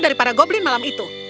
dari para goblin malam itu